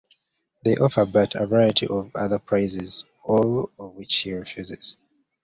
They offer Bart a variety of other prizes, all of which he refuses.